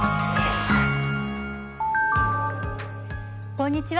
こんにちは。